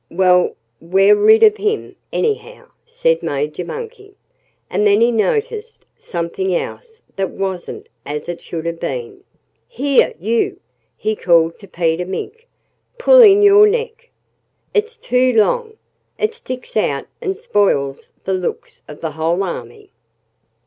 "Well, we're rid of him, anyhow," said Major Monkey. And then he noticed something else that wasn't as it should have been. "Here, you!" he called to Peter Mink. "Pull in your neck! It's too long! It sticks out and spoils the looks of the whole army."